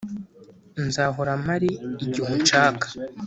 Nzahora mpari igihe unshaka